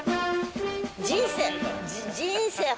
人生。